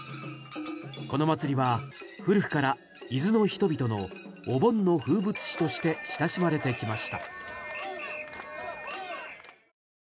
この祭りは古くから伊豆の人々のお盆の風物詩として親しまれてきました。